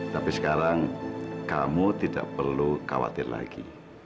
tapi sekarang kamu tidak perlu khawatir lagi